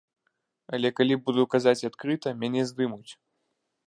Але калі буду казаць адкрыта, мяне здымуць.